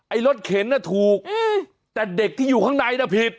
รถเข็นน่ะถูกแต่เด็กที่อยู่ข้างในน่ะผิด